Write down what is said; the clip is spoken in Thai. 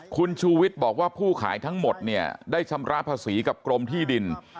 คุณชูวิทย์บอกว่าผู้ขายทั้งหมดเนี่ยได้ชำระภาษีกับกรมที่ดิน